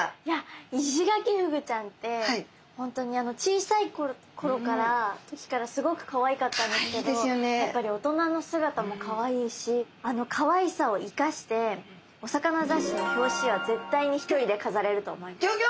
いやイシガキフグちゃんって本当に小さいころからスゴくかわいかったですけどやっぱり大人の姿もかわいいしあのかわいさを生かしてお魚雑誌の表紙は絶対に一人でかざれると思います。